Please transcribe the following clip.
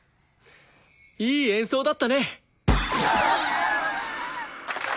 いい演奏だったね！